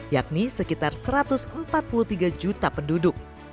yakni sekitar satu ratus empat puluh tiga juta penduduk